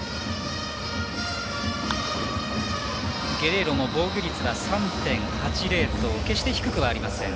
ゲレーロ防御率３．８０と決して低くありません。